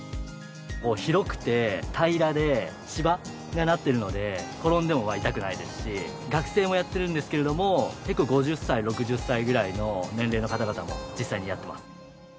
広くて平らで芝になっているので転んでも痛くないですし学生もやってるんですけれども結構５０歳６０歳ぐらいの年齢の方々も実際にやってます。